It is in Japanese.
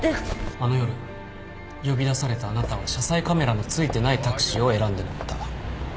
あの夜呼び出されたあなたは車載カメラのついてないタクシーを選んで乗った。